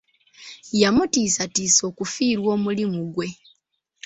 Yamutiisatiisa okufiirwa omulimu gwe.